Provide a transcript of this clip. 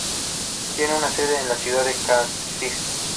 Tiene su sede en la ciudad de Calcis.